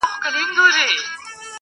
• او په دواړو یې له مځکي را ویشتل وه -